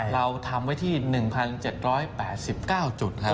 เราทำไว้ที่๑๗๘๙จุดครับ